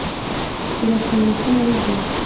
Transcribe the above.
Urakabura epfo na ruguru